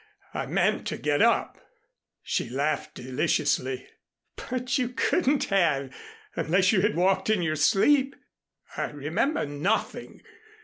I meant to get up " She laughed deliciously. "But you couldn't have unless you had walked in your sleep." "I remember nothing."